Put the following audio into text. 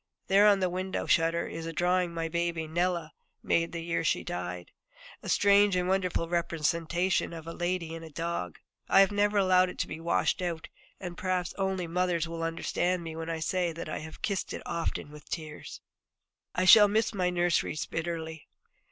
There on the window shutter is a drawing my baby, Nella, made the year she died, a strange and wonderful representation of a lady and a dog. I have never allowed it to be washed out, and perhaps only mothers will understand me when I say that I have kissed it often with tears. I shall miss my nurseries bitterly.